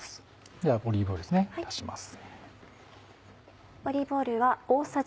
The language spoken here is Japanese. ではオリーブオイルですね足します。